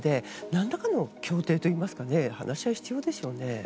何らかの協定といいますか話し合いが必要ですよね。